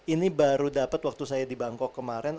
ini baru dapet waktu saya di bangkok kemaren